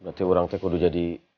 berarti orang teh kok udah jadi